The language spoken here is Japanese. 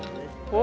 お！